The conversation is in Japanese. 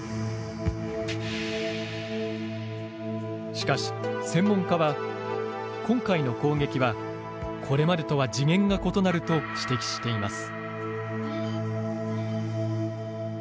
しかし専門家は、今回の攻撃はこれまでとは次元が異なると指摘しています。